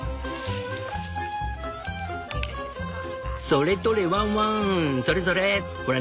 「それ取れワンワンそれそれ。